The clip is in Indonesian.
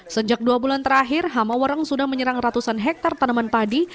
sejak dua bulan terakhir hamawereng sudah menyerang ratusan hektare tanaman padi